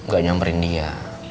gak nyamperin dia